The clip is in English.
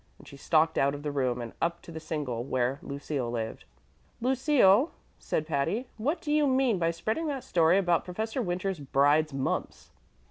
And she stalked out of the room and up to the single where Lucille lived. "Lucille," said Patty, "what do you mean by spreading that story about Professor Winters's bride's mumps?"